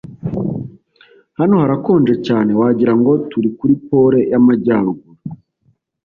Hano harakonje cyane. Wagira ngo turi kuri Pole y'Amajyaruguru.